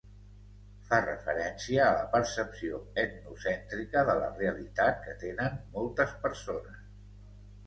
Fa referència a la percepció etnocèntrica de la realitat que tenen moltes persones.